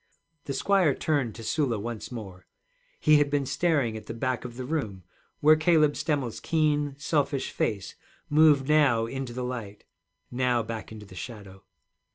The squire turned to Sula once more. He had been staring at the back of the room, where Cabel Stemmel's keen, selfish face moved now into the light, now back into the shadow.